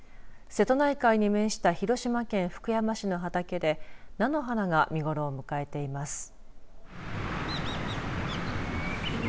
瀬戸内海に面した広島県福山市の畑で菜の花が見頃を迎えています。